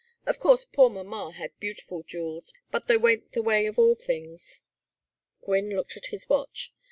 Of course poor mamma had beautiful jewels, but they went the way of all things." Gwynne looked at his watch.